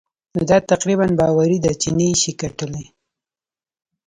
نو دا تقريباً باوري ده چې نه يې شې ګټلای.